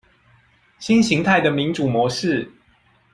新型態的民主模式